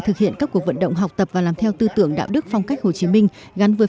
thực hiện các cuộc vận động học tập và làm theo tư tưởng đạo đức phong cách hồ chí minh gắn với